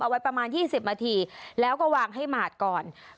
ไว้ประมาณ๒๐นาทีแล้วก็วางให้หมาดก่อน